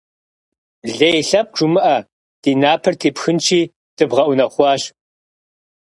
Лей лъэпкъ жумыӏэ, ди напэр тепхынщи, дыбгъэунэхъуащ.